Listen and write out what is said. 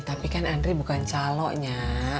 tapi kan andri bukan calo nya